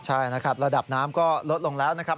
ใช่ระดับน้ำก็ลดลงแล้วนะครับ